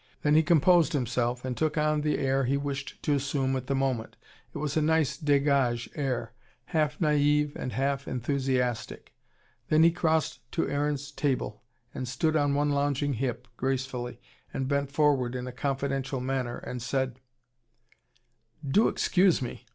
Then he composed himself, and took on the air he wished to assume at the moment. It was a nice degage air, half naive and half enthusiastic. Then he crossed to Aaron's table, and stood on one lounging hip, gracefully, and bent forward in a confidential manner, and said: "Do excuse me.